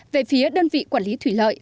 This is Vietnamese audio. về phía đơn vị quản lý thủy lợi